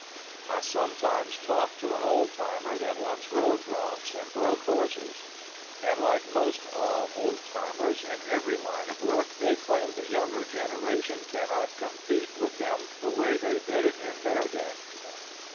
I sometimes talk to an old timer that once rode broncs and broke horses, and like most all old timers in every line of work they claim the younger generation cannot compete with them the way they did it in their day.